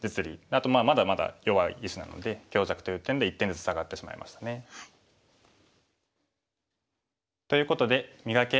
あとまだまだ弱い石なので強弱という点で１点ずつ下がってしまいましたね。ということで「磨け！